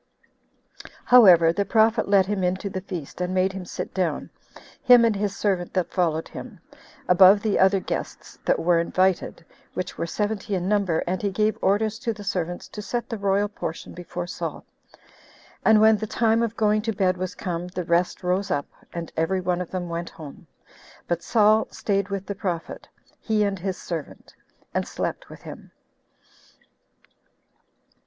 However, the prophet led him in to the feast, and made him sit down, him and his servant that followed him, above the other guests that were invited, which were seventy in number 7 and he gave orders to the servants to set the royal portion before Saul. And when the time of going to bed was come, the rest rose up, and every one of them went home; but Saul staid with the prophet, he and his servant, and slept with him.